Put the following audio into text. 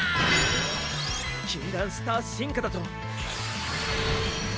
禁断スター進化だと！？